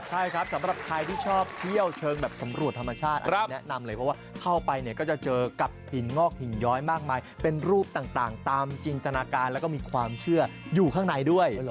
ใช่ครับสำหรับใครที่ชอบเที่ยวเชิงแบบสำรวจธรรมชาติแนะนำเลยเพราะว่าเข้าไปเนี่ยก็จะเจอกับหินงอกหินย้อยมากมายเป็นรูปต่างตามจินตนาการแล้วก็มีความเชื่ออยู่ข้างในด้วย